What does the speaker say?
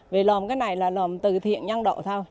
vì lòm cái này là lòm từ thiện nhân đội thôi